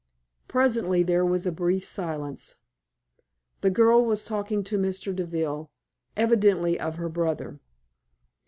Presently there was a brief silence. The girl was talking to Mr. Deville, evidently of her brother.